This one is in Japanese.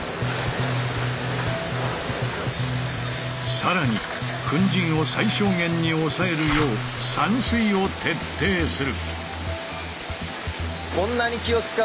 更に粉じんを最小限に抑えるよう散水を徹底する。